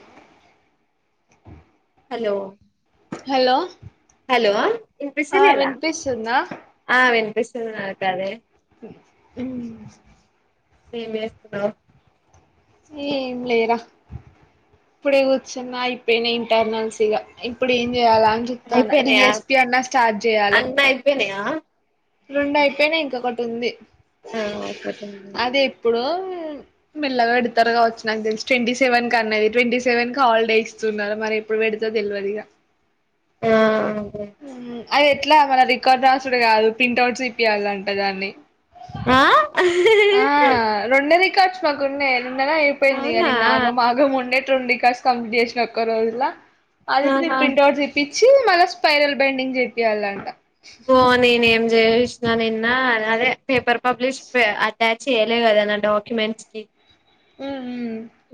ఏ hello hello hello ఆ వినిపిస్తలేదా వినిపిస్తుందా ఆ విని ఆ వినిపిస్తుంది కాదే ఏం చేస్తున్నావ్ ఏం లేరా ఇప్పుడే కూర్చున్నా అయిపోయినా ఇంటర్నల్సీగా ఇప్పుడు ఏం చేయాలా అని చెప్తాను అయిపోయినాయా డిఎస్పి అన్నా స్టార్ట్ చేయాలి అన్ని అయిపోయినాయా రెండు అయిపోయినా ఇంకొకటి ఉంది ఆ ఒకటి ఉంది. అదే ఇప్పుడు మల్లగా పెడతారు కావచ్చు నాకు తెలుసి ట్వంటీ సెవెన్ క అన్నది ట్వంటీ సెవెన్ క హాలిడే ఇస్తున్నారు మరి ఎప్పుడు పెడతే తెలియదుగా ఆ ఆ అది ఎట్లా మన రికార్డ్ రాసుడు కాదు ప్రింట్ అవుట్స్ ఇప్పించాలంట దాన్ని ఆ ఆ రెండది కచ్ మాకు ఉన్నా ద అయిపోయింది ఇ అవునా ని నాగంమాగం ఉండే డి కస్ కాంపిటేషన్ ఒక్కలా అది ఆహా ప్రింట్ఔపిచ మ స్పాపైరల్ బెండింగ్ చెప్ప వెల అంట ఓ ననే జయ కృష్ణ నిన్న అదే పేపర్ పబ్లిష్ ట్యాచ్ చేయలే కదా నా డాక్యుమెంట్స్ కి ఊ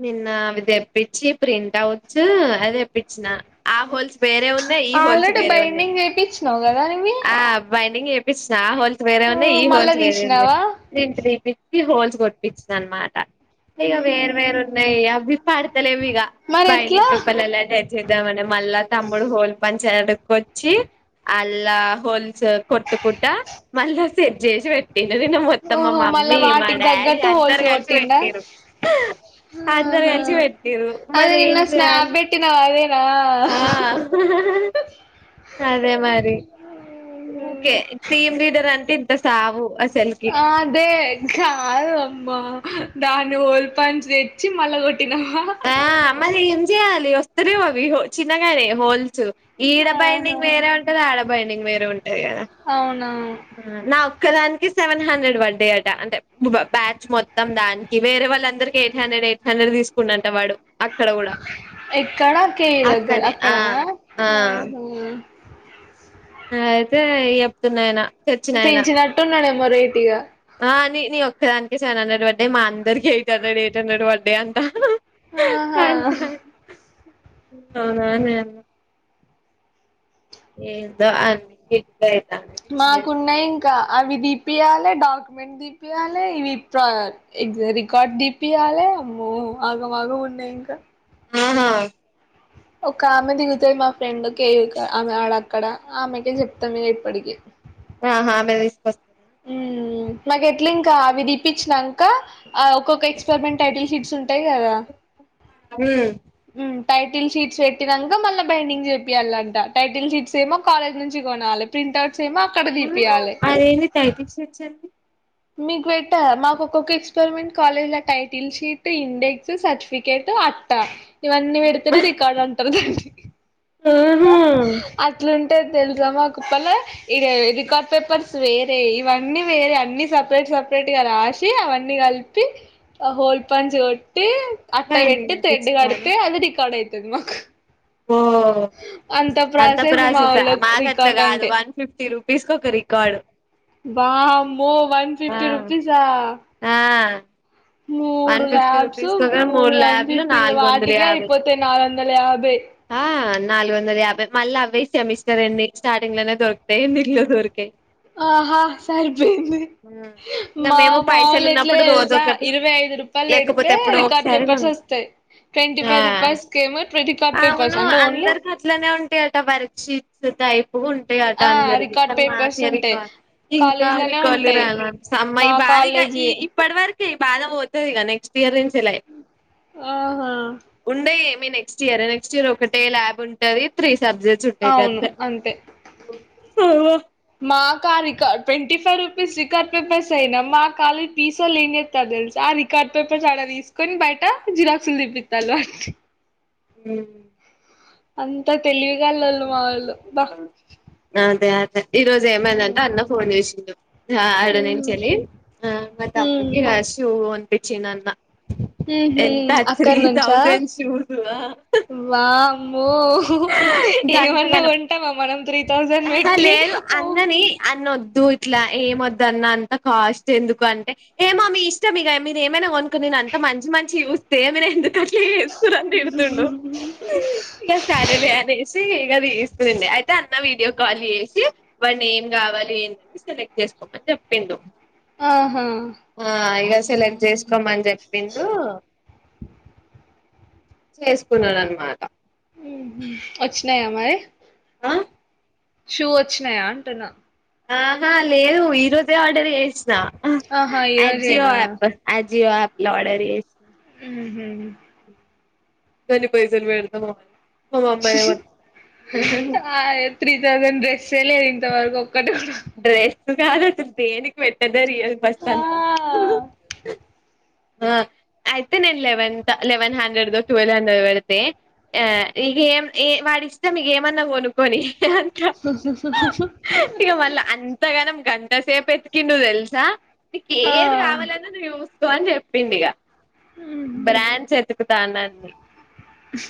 నిన్న వి తెప్పిచ్చి ప్రింట్ ఔట్స్ అది తెప్పించినా ఆ హోల్స్ వేరే ఉన్నాయి ఈ హోల్స్ ఆల్రెడీ వేరే ఉన్నాయి బైండింగ్ జేపిచ్చినావు కదా నివ్వి ఆ బైండింగ్ ఏపిచ్చినా హోల్ సు వేరే ఉన్నాయి ఈ మళ్ళా హోల్స్ వేరే ఉన్నాయి తీసినావా [unintelligible] ఈ హోల్స్ కొట్టిచ్చిన అనమాట ఇగ ఉహు వేరు వేరు నెయ్ అవ్వి పాడుతలెవ్విగ మరి ఎట్లా బైండింగ్ పేపర్లల్లో టైప్ చేద్దామని మళ్ళా తమ్ముడు హోల్ పంచ్ చేడక్కొచ్చి అల్లా హోల్స్ కొట్టుకుట్టా మళ్ళా సెట్ చేసి పెట్ టిన్న దినం మొత్తం మా ఓహో మళ్ళా మమ్మీ మా వాటికి డాడీ తగ్గట్టు హోల్స్ అందరూ కలిసి కొట్టిండా పెట్టిర్రు అందరూ ఆహా కలిసి పెట్టిర్రు మరేం చేయాలి అదే రా ఆ అదే మరి సావ ఆ అదే కారు అమ్మ దాన్ని ఓల్పాంచి తెచ్చి మళ్ల కొట్టినావా అ ఏం చేయాల వస్త రే బాబ చిన్నగా రే హల్ ఈడ ప అ వేర ఉ ఆడ బైడింగ్ వేర ఉ అవునాను నా ఒక్కదానికి సెవెన్ హండ్రెడ్ పడ్డాయి అట అంటే బ్యాచ్ మొత్తం దానికి వేరే వాళ్ళందరికి ఎయిట్ హండ్రెడ్ ఎయిట్ హండ్రెడ్ తీసుకున్నంట వాడు అక్కడ కూడా ఎక్కడా కేయి దగ్గర అక్కనే ఆ అక్కడనా ఆ ఆహ స్ అయితే చెప్తున్నాయన తెచ్చినాయన పెంచినట్టున్నారెమొ రెట్ ఇగా అ నీ నీ ఒక్కదానికి సెవెన్ హండ్రెడ్ వడ్డే మా అందరికి ఎయిట్ హండ్రెడ్ ఎయిట్ హండ్రెడ్ వడ్డే అంతా ఆహా [unintelligible] ఏందొ అ మాకున్నాయి ఇంకా అవి తీపియాలి డాక్యుమెంట్ దీపియాలి ఇవి ప్ర రికార్డ్ దీపియాలి అమ్మో ఆగమాగ ఉన్నాయి ఇంకా అవునా ఒక ఆమె దిగుతాంది మా ఫ్రెండ్క ఆమెడ అక్కడ ఆమెకే చెప్తాం ఇప్పటిక [unintelligible] ఉమ్ మాకు ఎట్లా ఇంకా అవి తీప్పించినాంక ఆ ఒక్కొక్క ఎస్పెరిమెంట్ టైటిల్ షిట్స్ంట అట్టయి కద ఉమ్ టైటిల్ షీట్స్ పెట్టిక మళ్ళీ బైండింగ్ చెప్పయాలి అంట టైటిల్ షీస్ ఏమో కాలేజ్ నుంచి కొనాలి ప్రింట్ అవుట్ మ అదే టైటిల్ షిట్స్ ఎవి మీకు పెట్టా మాకు ఒక్కొక్క ఎక్స్పరిమెంట్ కాలేజ్ల టైటిల్ షీట్ ఇండెక్స్ సర్టిఫికేట్ అట్ట ఇవన్నీ పెడితేనే రికార్డ్ అంటారు ఆహా అట్లుంటే అంటే తెలుసా మా కుప్పలా ఇ రికార్డ్ పేపర్స్ వేరే ఇవన్నీ వేరే అన్ని సపరేట్ సపరేట్ గా రాసి అవన్నీ కలిపి ఆ హోల్ పంచ్ కొ టి అట్ట బైండింగ్ పెట్టి థ్రెడ్ చేపించుకోవాలా కడితె అది రికాడ్ అయి తెదు మాకు ఆ అంత మా ప్రాసెస్ వాళ్ళ మాకు అట్లా రికార్డ్ కాదు అంటే వన్ ఫిఫ్టీ రూపీస్ కి ఒక రికార్డ్ వా మో వన్ ఫిఫ్టీ రూపీస్ ఆ ఆ మూడు వన్ ఫిఫ్టీ ల్యాబ్స్ రూపీస్ కి ఒక మూడు వన్ ల్యాబ్లు ఫిఫ్టీలు నాలుగు వందల వాటికి యాభై అయిపోతేయి నాలు వందల యాభై ఆ నాలుగు వందల యాభై మళ్ళీ అవయ సెమిస్టర్ ఎండి స్టార్టింగ్ లోనే దొరతాయి ఎండ్రిన్ లో దొరికాయి ఆహా సరిపోయింది ఇక మా మేము మా పైసలు వాళ్ళ ఎట్లా ఉన్నప్పుడు రోజు తెలుసా ఒకటి ఇరవై ఐదు రూపాయలు పెడితే లేకపోతే ఎప్పుడు రికార్డ్ ఒకసారి పేపర్స్ ఉంట వస్తాయి ట్వంటీ ఫైవ్ రూపీస్ కేమో రికార్డ్ ఆ పేపర్స్ అవును అంటే ఓన్లీ అందరికి అట్లనే ఉంటాయట వర్క్ షిట్ అయి ఉంటాయిట ఆ అందరికి రికార్డ్ కానీ పేపర్స్ మాకే ఉంటాయి రికవ ఇంకా కాలేజ్ లోనే రికవలీ ఉంటాయి రాల మా అమ్మాయి భారీగా ఈ కాలేజీ ఇప్పటి వరకు బాబో నెక్స్ట్ ఇయరిన్స్ ఆహా ఉండ మీ నెక్స్ట్ ఇయర్ నెక్స్ట్ ఇయర్ ఒకటే ల్యాబ్ ఉంటుది త్రీ చబ్జే చ ఉట్టే అవును కతే అంతే అ మాకు ఆ రికార్ twenty five rupees record papers అయినా మాకుళ పీసో ఏం చెస్త తెలుసు ఆ రికార్డ్ పేపర్స్ అడ తీసుకొని బయట జిరాక్సులు దిప్పస్తారు వా హ అంత తెలివిగల్లోళ్ళు మావోళ్ళు బా అదే అదే ఈ రోజు ఉమ్ ఏమైందంటే అన్న ఫోన్ చేసిండు ఆడ నుంచి వెళ్ళి ఆ మ తమ్మడూ ఉమ్ కి షూ చ్చ నాన్న ఉహు ఎంత త్రీ అక్కడి నుంచా థౌసండ్ షూస్ ఓ ఏమన్నా కాంట్టామా మన అ లేదు అన్నని అన్న వద్ ఇట్లా ఏమ వద్దన్న అంత కాస్ట్ ఎందుకు అంటే ఏమో మీ ఇష్టం ఇక మీరు ఏమైనా కొనుకుని నేను అంత మంచి మంచి చూస్తేమీరే ఎందుకు తరంత థీడుతుండ ఇగ సరే అనేసి ఇది ఇస్తుందిండి అయితే అయితే అన్న వీడియో కాల్ చేసి వాడిని ఏం కావాలి ఏందని సెలెక్ట్ చేసుకోమని చెప్పిండు ఆహా ఆ ఇగ సెలెక్ట్ చేసుకోమని చెప్పిండు చేసుకున్నాడు అనమాట వచ్చినాయా మరి ఆ షూ వచ్చినాయా అంటునా ఆహ లేను ఇరోజే ఆర్డర్ చెస్ ఆహా ఈ అజియో రోజేనా ఆప్ జిో ఆప్ లో ర్డర్ ఇ హ తని పైసలు వేడద మ అ త్రీ థౌజండ్ డ్రెస్సే లేదు ఇంతవరకు కట్ట సదతుంది ఎ పెట్ట అదరి బస్తా ఆ అంత ఆ అయితే నేను లెవెన్త్ లెవెన్ హండ్రెడ్ో ట్వెల్వ్ హండ్రెడ్ పడితే ఆ ఇక ఏం వాడి ఇష్టం ఇక ఏమన్నా కొనుక్కని స స స స ఎంతగానం గంటసేపు ఎత్కిండ తెలుసా నక ఆ ఏది కావాలన్నా ను అని చెప్పింది ఇక ఉహు బ్రాండ్స్ ఎ దానాన్ని హ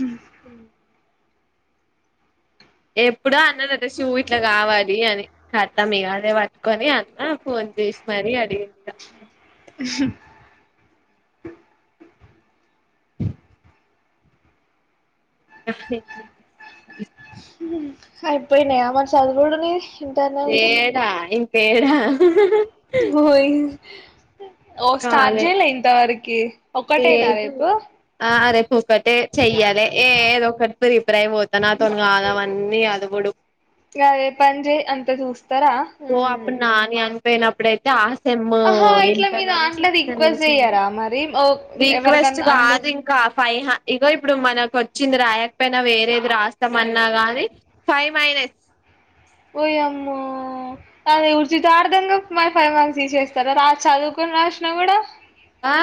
ఏప్ ఇప్పుడు అన్నదదా శూ ఇట్లా కావాలి అని కత్త మీ అదే పట్టుకొని అన్న ఫోన్ చేసి మరి అడిగి ఇగ ఆయిపోయి న మనస అదికూడునే ఏడా ఇకా కేా యి ఓ స్టార్ట్ కాలే చేయలే ఇంతవరకి ఒక్కటైనా లేదు రేపు ఆ రేపు ఒకటే చెయ్యాలి ఏ ఏద ఒకటి ప్రిప్రాయం పోతాను అ తను కాదవన్నీ అదువుడు అదే పనిజే అంత చూస్తారా పోయినప్పుడ అయితే సమ్మా మీ దాంట్ల రిక్వెస్ట్ చెయ్యరా మరి ఓ వస్ట్ ఎవరికన్నా కా అందరు ఇంైవ్ ఇ ఇప్పుడు మనకు వచ్చింది రాయకపోయినా వేరేది రాస్తామన్నా గాని ఫైవ్ మైనస్ వయం అేర్జ చారు దంగా మై ఫైవ్ మార్క్స్ తీసేస్తారా రా చదువుకుొని రాసినా కూడా ఆ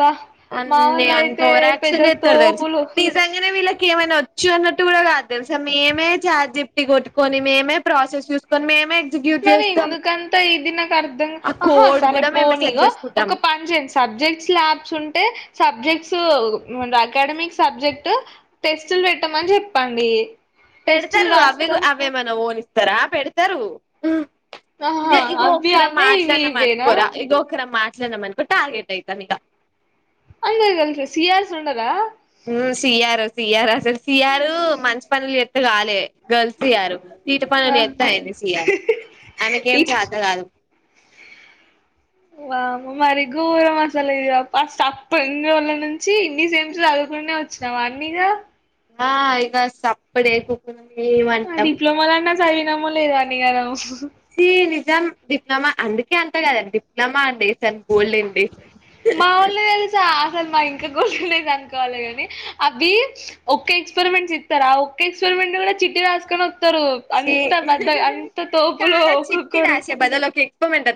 బా అన్నీ మావోళ్ళు అయితే పెద్ద అంతరాక్షన్ చెస్తాారు తెలుసా తోపులు తీస అంగనే వీళ్ళకి ఏమైనా వచ్చు అన్నట్టు కూడా కాదు తెలుసా మేమే చఛార్జి కొట్టుకొని మేమే ప్రాసెస్ చూసుకొని మేమే ఎగ్జిక్యూట్ మరి చేస్తాం ఎందుకంతా ఈదిినక అర్థంగా ఆ ఆహా కోడ్ సరే కూడా మేమే పోనీగ సెట్ చేసుకుంటాం ఒక పనిచయండి సబ్జెక్ట్స్ ల్యాబ్స్ ఉంటే సబ్జెక్ట్స్ అకాడమిక్ సబ్జెక్ట్ టెస్టులు పెట్టమని చెప్పండి టెస్టులు పెడతారు అవిే రాస్తాం అవే మన ఓలిస్త తరా పెడతారు ఆహా ఇది ఇగ అవి ఒకక్కర అవే ఇవి మాట్లాడన ఇవేనా అన్కోరా ఇగ ఒకర మాట్ మనకు టార్గెట్ అయితాను ఇ అంగల్ సయల్ స ఉండరా సియారా సియారస సియారు మంచి పనులు కాల గర్ల్ సయారు సీత ఆ పనులు ఎత్తాయింది సయాల ఆమెకు ఏం ఇటు చేత కాదు వా మరి గోర మసాలా ఇది ఫస్ట్ అప్ప ఇన్ని రోజుల నుంచి ఇన్నిసేమ్స్ చదువుకునే వచ్చినామా అన్నీగా ఆ ఇక సప్పుడే ఉకున్న ఏమంటాం చాచదివినమె లేదో అన్ని గనం శీలి ఎగ్జామ్ డిప్లొమా అందుకే అంట కదా డిప్లొమా అంటే ఎంత గోల్డ్ డే మా ఒళ్ళు తెలుసా అసలు మా ఇంకా కోరలేదు అనుకోవాలిగాని అవి ఒక్కే ఎక్స్పెరిమెంట్ చెప్తారు ఆ ఒక్క ఎక్స్పెరిమెంట్ కూడా చిట్టీ రాసుకొని ఒరు ఛీ అంత బద్ద అంత తోపులు ఒక్కొక్కరు ఇప్ప మెట్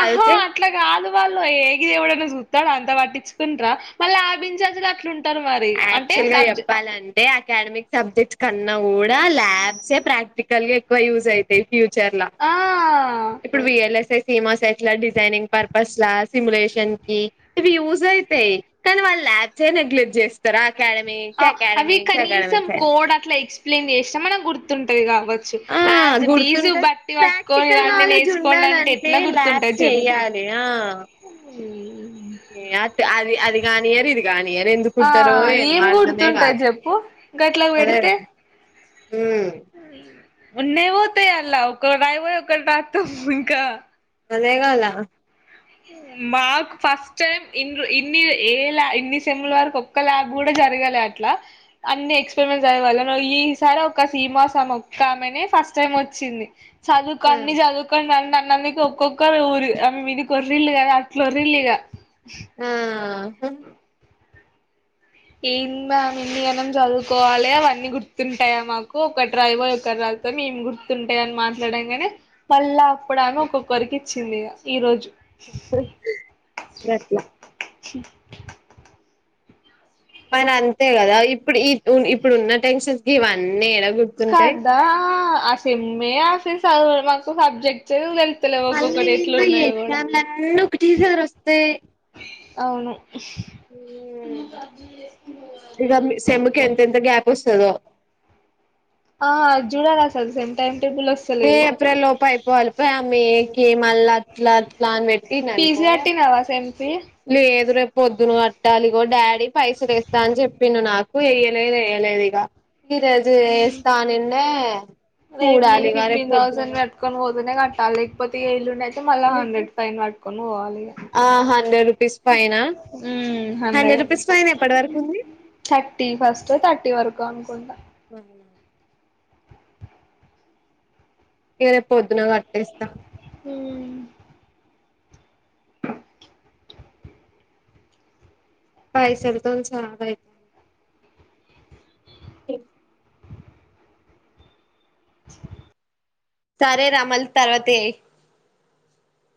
ఆహా అట్లా కదు వాళ్ళు ఏ గిది ఎవడన్నా చూత్తాడు అంత పట్టించుకుంట్రా మళ్ళ ఆభించార్జ్ గట్లుం యాక్చువల్ గా చెప్పాలంటే అకాడమిక్ సబ్జెక్ట్స్ కన్నా కూడా ల్యాబ్సే ప్రాక్టి కల్ గ ఎక్కువ యూస్ అయితయ్ ఫ్యూచర్లా ఆ ఇప్పుడు వి ఎల్ ఎస్ ఎ సీమాస్ ఎట్లా డిజైనింగ్ పర్పస్ లా సిములేషన్ కి ఇవి యూజ్ అయితాయి కానీ వాళ్ళు ల్యాబ్సే నెగ్లెక్ట్ చేస్తారా ఆ అవి కనీసం అని కోడ్ అట్లా ఎక్స్ ప్లైయిన్ చేసినా మనకు గుర్తుంటదిగా ఆ గుర్తుంటంది పట్టుకొని ప్రాక్టికల్ రండి నాలెడ్జ్ నేర్చుకోండి అంటే ఉండాలంటే ఎట్లా ల్యాబ్స్ గుర్తుంటది చేయ్యాలి ఆ ఊ ఈ అట్టు అది అది కానియ్యరు ఇది కానియరు ఆ ఎందుకుంటారో ఏమో ఏం అర్థమే కాదు గుర్తుంటది చెప్పు గట్లాకి అదే పెడితే కదా ఉమ్ ఉన్నాయి పోతాయి అల్లా ఒక రాయిపోయి ఒక్కటి రాత్తం ఇంకా గదే గోల మాకు ఫస్ట్ టైం ఇన్ని ఏ ఇన్ని సెమ్ ల వరకు ఒక్క ల్యాబ్ కూడా జరగాలే అట్ల అన్ని ఎక్స్పరిమెంట్స్ [unintelligible] ఈ సారి ఒక సీమాస్ అమె ఒక్కామనే ఫస్ట్ టైం వచ్చింది చదువుకో అన్ని సాదువుకొ అన్నట్ అన్నందుకి ఒక్కొక్కఊరు అమే విడి కోర్రిళ్ళు కదా అట్లా ఓర్రిళ్ళు ఇగ ఆ అం ఏం మ్యామ్ ఇన్ని ఏనం చదువుకోవాలి అవన్నీ గుర్తుంటాయా మాకు ఒక డ్రైవర్ ఒకరు రాత ఏం గుర్తుంటాయ అని మాట్లాడం కగానే మళ్ళా అప్పుడు ఆమె ఒక్కొక్కరికి ఇచ్చింది ఈ రోజు ఎట్ మరి అంతే కదా ఇప్పుడు ఈ ఇప్పుడు ఉన్న టెన్షన్స్ కి ఇవన్నీ ఏడ గుర్తుంటాయి కదా సెమ్ేస మాకు సబ్జెక్ట్ మళ్ళీ ఏందుో ఈ ఎగ్జామ్లన్నీ టీచర్ వస్తే అవును వస్తతో జడాల స సేమ్ టైమ్ టేబుల్ ఏ వస్తలేదు ఏప్రిల్ లోప అయిపోవాలి పో ఆ మ ఏకి మళ్ళ పలా ప్లాన్ వ పిజ్జటీ నవా స ఏదురుే పొద్దును అట్టాలిగో డాడీ పైసలుస్తా అని చెప్పిను నాకు వయలేదు వేయ్యలేదు ఇగ వ రజుస్స్తాన్న ఆ రేట్ మీన్ ఫిఫ్టీన్ ౌసండ్ మట్కంోదనే క త లేకపోతి వెయిలు న మళ్ళా హండ్రెడ్ ఫైన్ పట్టుకొని పోవాలి ఆ హండ్రెడ్ రూపీస్ పైన హండ్రెడ్ రూపీస్ పైన ఎప్పటి వరకు ఉంది థర్టీ ఫస్ట్ థర్టీ వరకు అనుకుంటా నేరే పొద్దున కట్టేస్తా సన్ పయ సర దోన్ సాలయితే ఇ సరే రామల్ తర్వాతే